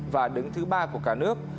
và đứng thứ ba của cả nước